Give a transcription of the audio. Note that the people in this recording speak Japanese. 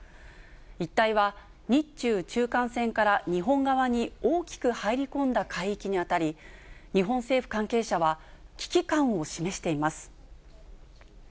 一帯は日中中間線から日本側に大きく入り込んだ海域にあたり、日本政府関係者は、危機感を示しています。